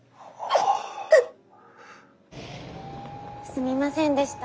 すみませんでした。